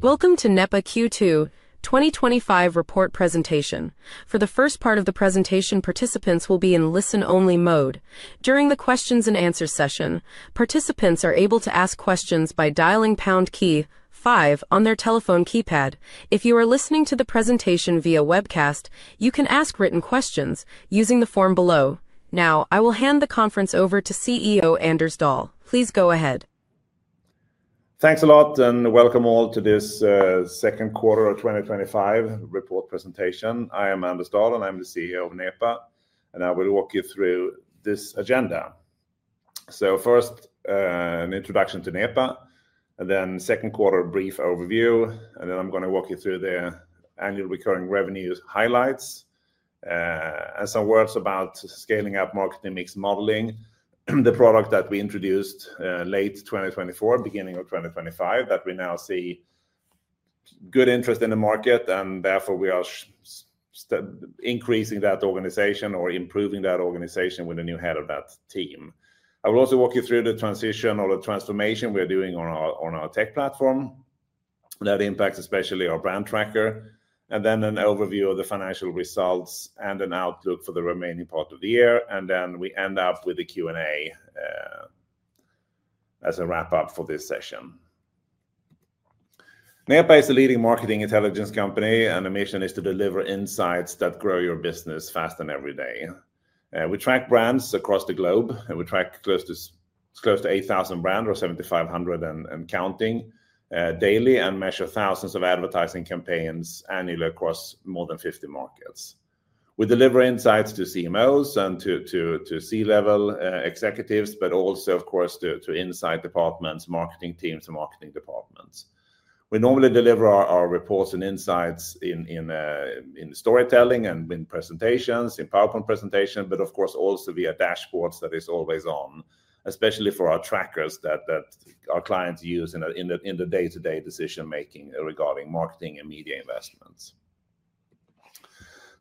Welcome to NEPA Q2 2025 Report Presentation. For the first part of the presentation, participants will be in listen-only mode. During the questions and answers session, participants are able to ask questions by dialing the pound key 5 on their telephone keypad. If you are listening to the presentation via webcast, you can ask written questions using the form below. Now, I will hand the conference over to CEO Anders Dahl. Please go ahead. Thanks a lot, and welcome all to this Second Quarter of 2025 Report Presentation. I am Anders Dahl, and I'm the CEO of NEPA, and I will walk you through this agenda. First, an introduction to NEPA, then second quarter brief overview, and then I'm going to walk you through the annual recurring revenues highlights, and some words about scaling up marketing mix modeling, the product that we introduced late 2024, beginning of 2025, that we now see good interest in the market, and therefore we are increasing that organization or improving that organization with a new head of that team. I will also walk you through the transition or the transformation we're doing on our tech platform that impacts especially our brand tracking, and then an overview of the financial results and an outlook for the remaining part of the year, and then we end up with the Q&A as a wrap-up for this NEPA is a leading marketing intelligence company, and our mission is to deliver insights that grow your business faster than every day. We track brands across the globe, and we track close to 8,000 brands or 7,500 and counting daily and measure thousands of advertising campaigns annually across more than 50 markets. We deliver insights to CMOs and to C-level executives, but also, of course, to insight departments, marketing teams, and marketing departments. We normally deliver our reports and insights in storytelling and in presentations, in PowerPoint presentations, but of course also via dashboards that are always on, especially for our trackers that our clients use in the day-to-day decision-making regarding marketing and media investments.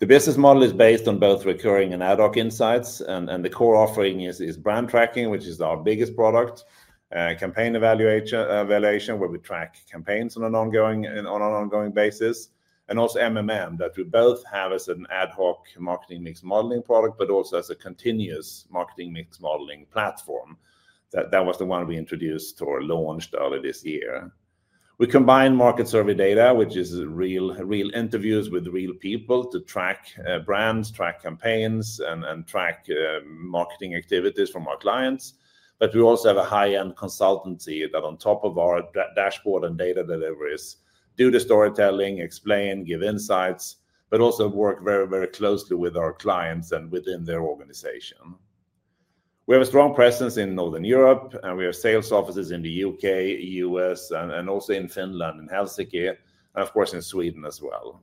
The business model is based on both recurring and ad hoc insights, and the core offering is brand tracking, which is our biggest product, campaign evaluation where we track campaigns on an ongoing basis, and also that we both have as an ad hoc marketing mix modeling product, but also as a continuous marketing mix modeling platform. That was the one we introduced or launched earlier this year. We combine market survey data, which is real interviews with real people to track brands, track campaigns, and track marketing activities from our clients, but we also have a high-end consultancy that on top of our dashboard and data deliveries do the storytelling, explain, give insights, but also work very, very closely with our clients and within their organization. We have a strong presence in Northern Europe, and we have sales offices in the U.K., U.S., and also in Finland and Helsinki, and of course in Sweden as well.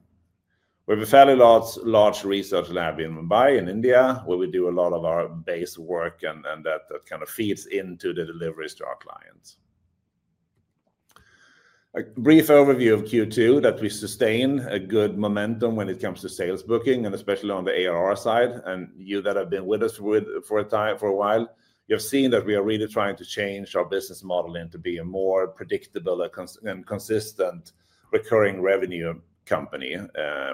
We have a fairly large research lab in Mumbai, in India, where we do a lot of our base work, and that kind of feeds into the deliveries to our clients. A brief overview of Q2 is that we sustain a good momentum when it comes to sales bookings, especially on the ARR side, and you that have been with us for a while, you have seen that we are really trying to change our business model into being a more predictable and consistent recurring revenue company.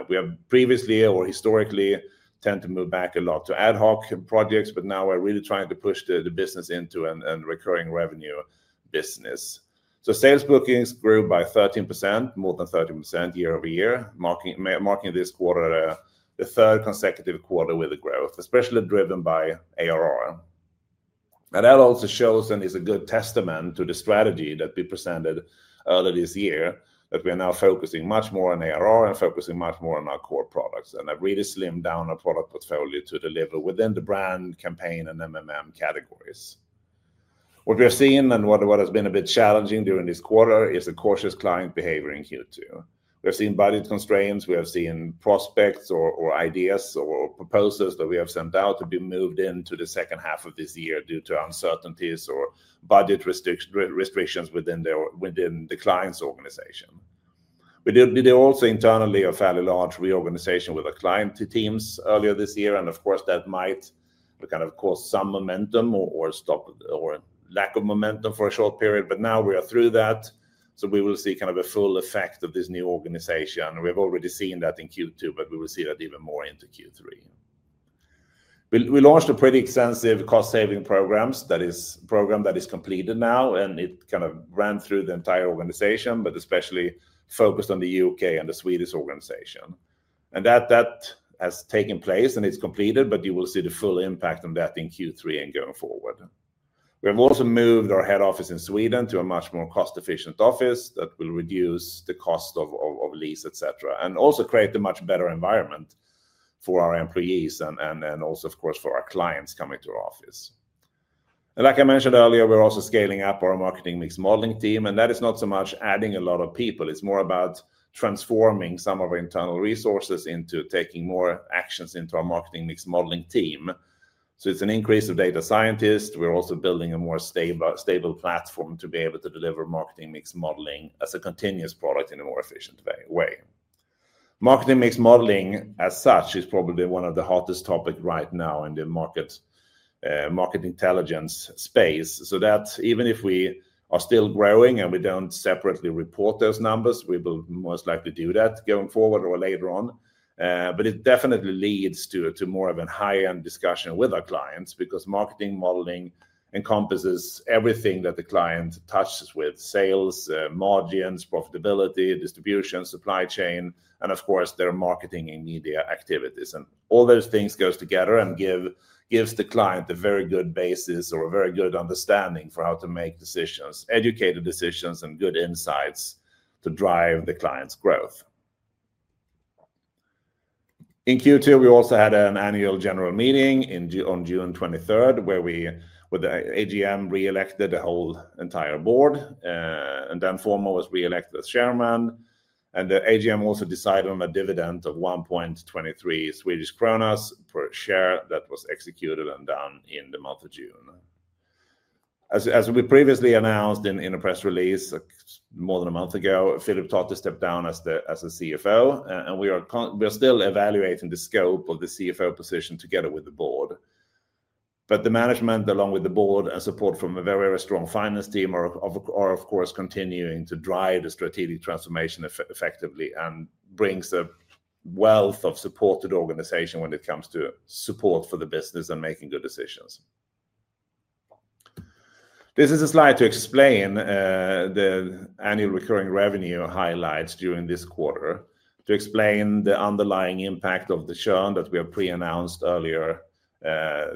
We have previously or historically tended to move back a lot to ad hoc projects, but now we're really trying to push the business into a recurring revenue business. Sales bookings grew by 13%, more than 13% year-over-year, marking this quarter the third consecutive quarter with growth, especially driven by ARR. That also shows and is a good testament to the strategy that we presented earlier this year, that we are now focusing much more on ARR and focusing much more on our core products, and have really slimmed down our product portfolio to deliver within the brand, campaign, and categories. What we have seen and what has been a bit challenging during this quarter is the cautious client behavior in Q2. We have seen budget constraints, we have seen prospects or ideas or proposals that we have sent out to be moved into the second half of this year due to uncertainties or budget restrictions within the client's organization. We did also internally a fairly large reorganization with our client teams earlier this year, and of course that might kind of cause some momentum or lack of momentum for a short period, but now we are through that, so we will see kind of a full effect of this new organization, and we have already seen that in Q2, but we will see that even more into Q3. We launched a pretty extensive cost-saving program that is completed now, and it kind of ran through the entire organization, especially focused on the U.K. and the Swedish organization. That has taken place and it's completed, but you will see the full impact on that in Q3 and going forward. We have also moved our head office in Sweden to a much more cost-efficient office that will reduce the cost of lease, etc., and also create a much better environment for our employees and also, of course, for our clients coming to our office. Like I mentioned earlier, we're also scaling up our marketing mix modeling team, and that is not so much adding a lot of people, it's more about transforming some of our internal resources into taking more actions into our marketing mix modeling team. It's an increase of data scientists. We're also building a more stable platform to be able to deliver marketing mix modeling as a continuous product in a more efficient way. Marketing mix modeling, as such, is probably one of the hottest topics right now in the marketing intelligence space. Even if we are still growing and we don't separately report those numbers, we will most likely do that going forward or later on. It definitely leads to more of a high-end discussion with our clients because marketing modeling encompasses everything that the client touches with: sales, margins, profitability, distribution, supply chain, and of course their marketing and media activities. All those things go together and give the client a very good basis or a very good understanding for how to make decisions, educated decisions, and good insights to drive the client's growth. In Q2, we also had an annual general meeting on June 23rd where we, with the AGM, re-elected the whole entire board, and then FOMO was re-elected as Chairman, and the AGM also decided on a dividend of 1.23 Swedish kronor per share that was executed and done in the month of June. As we previously announced in a press release more than a month ago, Filip Tottie stepped down as the CFO, and we are still evaluating the scope of the CFO position together with the board. The management, along with the board, and support from a very, very strong finance team are, of course, continuing to drive the strategic transformation effectively and bring a wealth of support to the organization when it comes to support for the business and making good decisions. This is a slide to explain the annual recurring revenue highlights during this quarter, to explain the underlying impact of the churn that we have pre-announced earlier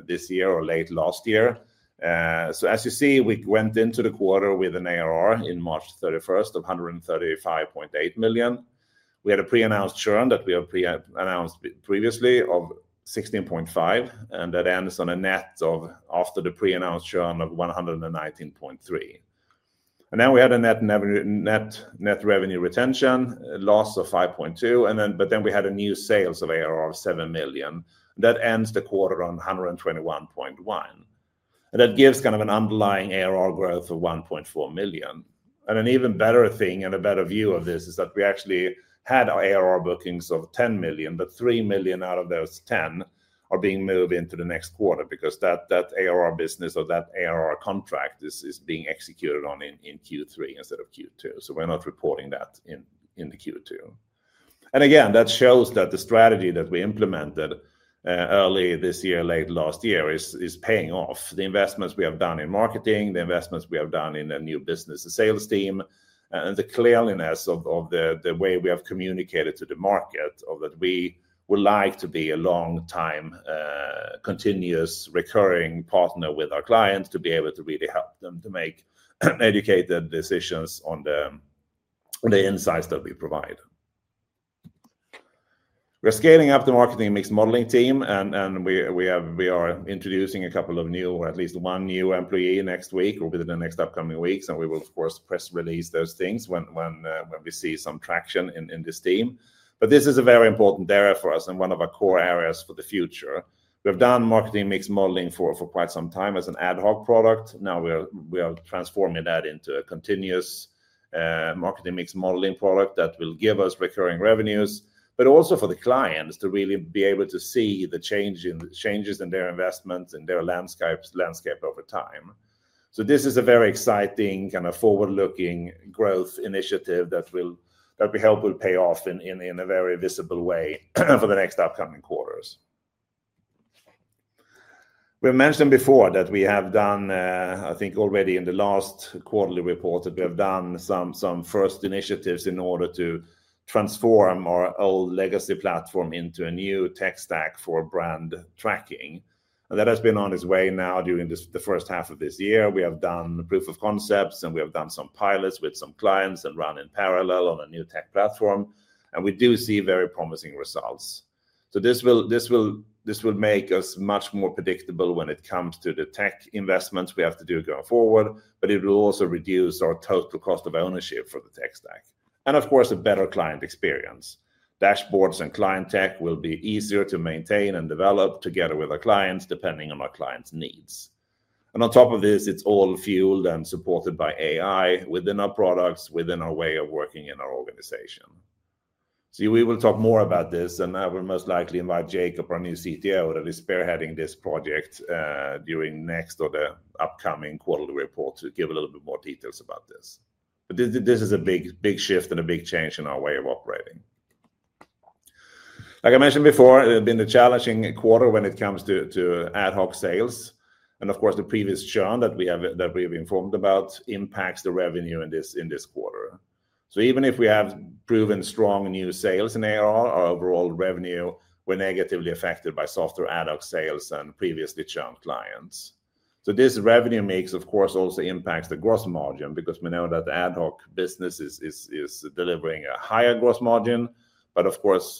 this year or late last year. As you see, we went into the quarter with an ARR on March 31 of 135.8 million. We had a pre-announced churn that we have pre-announced previously of 16.5 million, and that ends on a net of, after the pre-announced churn, 119.3 million. Now we had a net net revenue retention loss of 5.2 million, but then we had a new sales of ARR of 7 million. That ends the quarter on 121.1 million. That gives kind of an underlying ARR growth of 1.4 million. An even better thing and a better view of this is that we actually had our ARR bookings of 10 million, but 3 million out of those 10 million are being moved into the next quarter because that ARR business or that ARR contract is being executed on in Q3 instead of Q2. We are not reporting that in Q2. Again, that shows that the strategy that we implemented early this year, late last year, is paying off. The investments we have done in marketing, the investments we have done in the new business and sales team, and the clearness of the way we have communicated to the market that we would like to be a long-time continuous recurring partner with our clients to be able to really help them to make educated decisions on the insights that we provide. We're scaling up the marketing mix modeling team, and we are introducing a couple of new or at least one new employee next week or within the next upcoming weeks, and we will, of course, press release those things when we see some traction in this team. This is a very important area for us and one of our core areas for the future. We've done marketing mix modeling for quite some time as an ad hoc product. Now we are transforming that into a continuous marketing mix modeling product that will give us recurring revenues, but also for the clients to really be able to see the changes in their investments and their landscape over time. This is a very exciting, kind of forward-looking growth initiative that will help pay off in a very visible way for the next upcoming quarters. We mentioned before that we have done, I think already in the last quarterly report, some first initiatives in order to transform our old legacy platform into a new tech stack for brand tracking. That has been on its way now during the first half of this year. We have done proof of concepts, and we have done some pilots with some clients and run in parallel on a new tech platform, and we do see very promising results. This will make us much more predictable when it comes to the tech investments we have to do going forward, but it will also reduce our total cost of ownership for the tech stack. Of course, a better client experience. Dashboards and client tech will be easier to maintain and develop together with our clients depending on our clients' needs. On top of this, it's all fueled and supported by AI within our products, within our way of working in our organization. We will talk more about this, and I will most likely invite Jacob, our new CTO, that is spearheading this project during the next or the upcoming quarterly report to give a little bit more details about this. This is a big shift and a big change in our way of operating. Like I mentioned before, it's been a challenging quarter when it comes to ad hoc sales, and of course the previous churn that we have informed about impacts the revenue in this quarter. Even if we have proven strong new sales in ARR, our overall revenue was negatively affected by softer ad hoc sales and previously churned clients. This revenue mix, of course, also impacts the gross margin because we know that the ad hoc business is delivering a higher gross margin, but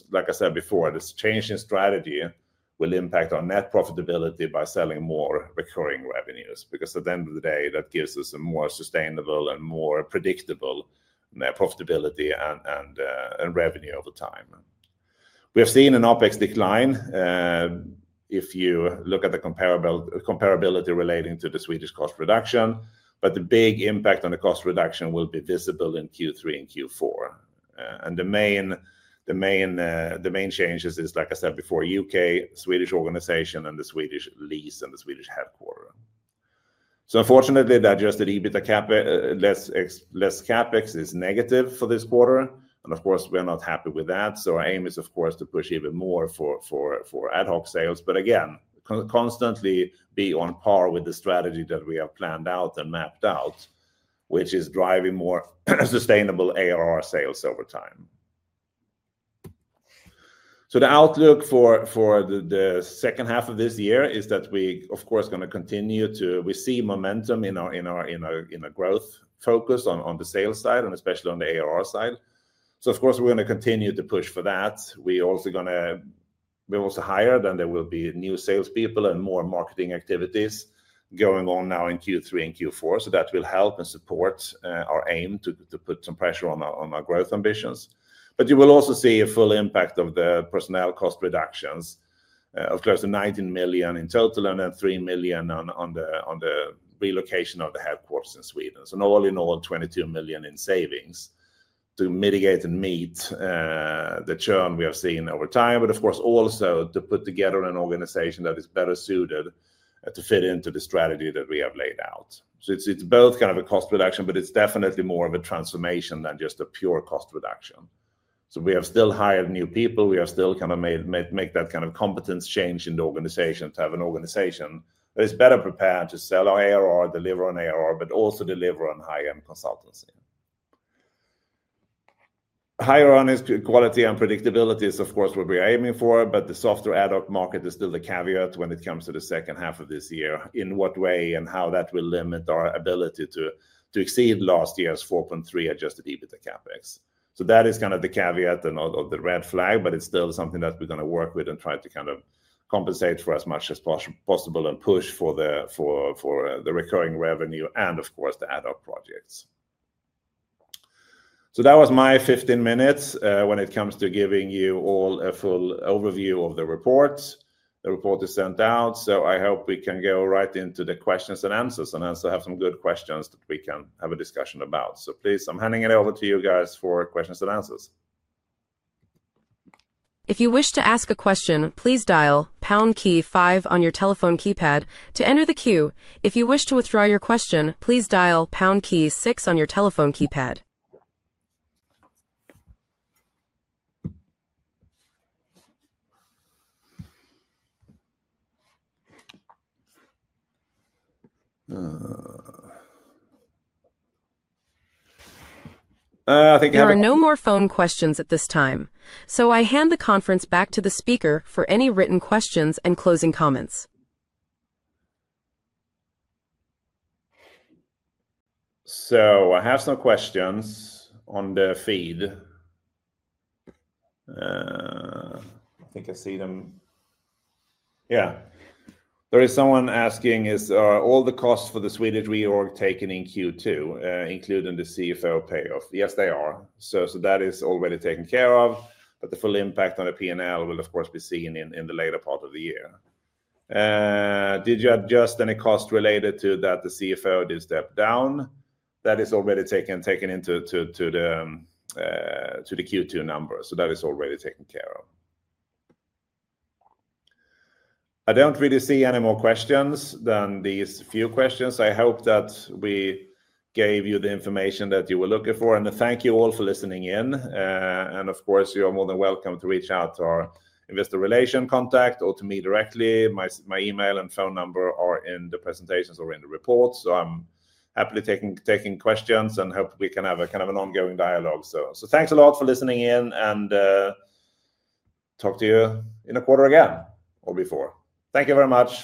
like I said before, this change in strategy will impact our net profitability by selling more recurring revenues because at the end of the day, that gives us a more sustainable and more predictable net profitability and revenue over time. We have seen an OpEx decline if you look at the comparability relating to the Swedish cost reduction, but the big impact on the cost reduction will be visible in Q3 and Q4. The main changes are, like I said before, the U.K., Swedish organization, and the Swedish lease, and the Swedish headquarter. Unfortunately, the adjusted EBITDA cap, less CapEx, is negative for this quarter, and of course, we're not happy with that. Our aim is, of course, to push even more for ad hoc sales, but again, constantly be on par with the strategy that we have planned out and mapped out, which is driving more sustainable ARR sales over time. The outlook for the second half of this year is that we, of course, are going to continue to see momentum in our growth focus on the sales side and especially on the ARR side. We are going to continue to push for that. We are also going to hire, then there will be new salespeople and more marketing activities going on now in Q3 and Q4. That will help and support our aim to put some pressure on our growth ambitions. You will also see a full impact of the personnel cost reductions. Of course, $19 million in total and then $3 million on the relocation of the headquarters in Sweden. All in all, $22 million in savings to mitigate and meet the churn we have seen over time, but of course, also to put together an organization that is better suited to fit into the strategy that we have laid out. It is both kind of a cost reduction, but it is definitely more of a transformation than just a pure cost reduction. We have still hired new people. We have still made that kind of competence change in the organization to have an organization that is better prepared to sell our ARR, deliver on ARR, but also deliver on high-end consultancy. Higher earnings quality and predictability is, of course, what we are aiming for, but the softer ad hoc market is still the caveat when it comes to the second half of this year in what way and how that will limit our ability to exceed last year's $4.3 million adjusted EBITDA CapEx. That is the caveat and the red flag, but it is still something that we are going to work with and try to compensate for as much as possible and push for the recurring revenue and, of course, the ad hoc projects. That was my 15 minutes when it comes to giving you all a full overview of the report. The report is sent out, so I hope we can go right into the questions and answers, and I also have some good questions that we can have a discussion about. Please, I am handing it over to you guys for questions and answers. If you wish to ask a question, please dial pound key 5 on your telephone keypad to enter the queue. If you wish to withdraw your question, please dial pound key 6 on your telephone keypad. There are no more phone questions at this time, so I hand the conference back to the speaker for any written questions and closing comments. I have some questions on the feed. I think I see them. Yeah. There is someone asking, are all the costs for the Swedish reorg taken in Q2, including the CFO payoff? Yes, they are. That is already taken care of, but the full impact on the P&L will, of course, be seen in the later part of the year. Did you adjust any cost related to that the CFO did step down? That is already taken into the Q2 number, so that is already taken care of. I don't really see any more questions than these few questions. I hope that we gave you the information that you were looking for, and thank you all for listening in. You are more than welcome to reach out to our investor relation contact or to me directly. My email and phone number are in the presentations or in the report, so I'm happy to take questions and hope we can have a kind of an ongoing dialogue. Thanks a lot for listening in, and talk to you in a quarter again or before. Thank you very much.